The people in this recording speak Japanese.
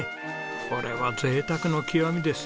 これは贅沢の極みです！